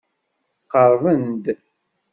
Qerrben-d.